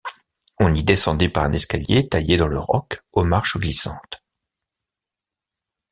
On y descendait par un escalier taillé dans le roc aux marches glissantes.